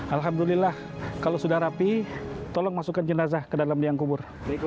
alhamdulillah kalau sudah rapi tolong masukkan jenazah ke dalam liang kubur